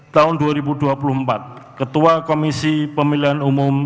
tahun dua ribu dua puluh empat ketua komisi pemilihan umum